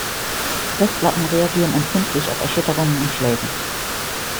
Festplatten reagieren empfindlich auf Erschütterungen und Schläge.